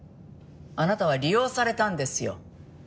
あなたは利用されたんですよ。